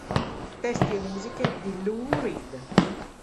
Testi e musiche di Lou Reed